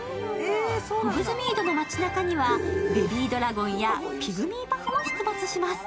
ホグズミードの街なかにはベビードラゴンやピグミーパフも出没します。